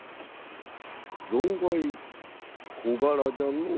存外小柄じゃのう。